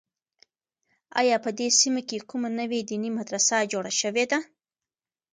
آیا په دې سیمه کې کومه نوې دیني مدرسه جوړه شوې ده؟